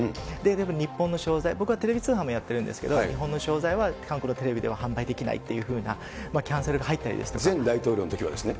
僕は日本の商材、僕はテレビ通販もやってるんですけれども、日本の商材は韓国のテレビでは販売できないというようなキャンセ前大統領のときはですね。